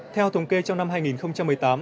theo thống kê trong năm hai nghìn một mươi tám